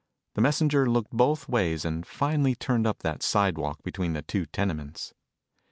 The messenger looked both ways and finally turned up that sidewalk between the two tenements.